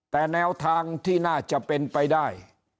แต่แนวทางที่น่าจะเป็นไปได้